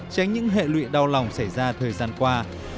tránh những hệ lụy đau lòng xảy ra thời gian qua